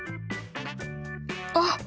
あっ！